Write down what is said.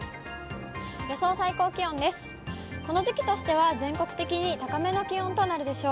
予想最高気温です。